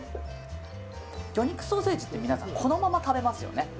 魚肉ソーセージって皆さんこのまま食べますよね。